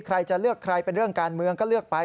ใครจะเลือกใครเป็นเรื่องการเมืองก็เลือกไป